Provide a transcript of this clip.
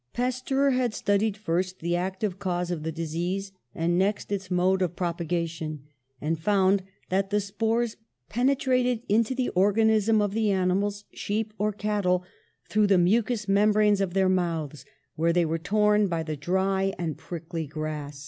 Pasteur had studied first the active cause of the disease, and next its mode of propagation, and found that the spores penetrated into the or ganism of the animals, sheep or cattle, through the mucous membranes of their mouths, where they were torn by the dry and prickly grass.